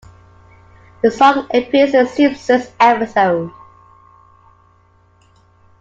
The song appears in a "Simpsons" episode.